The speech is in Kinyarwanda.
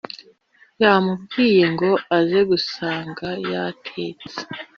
yamubwiye ngo aze gusanga yatetse